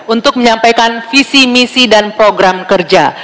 untuk menyampaikan visi misi dan program kerja